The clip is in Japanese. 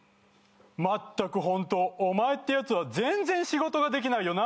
「全くホントお前ってやつは全然仕事ができないよな」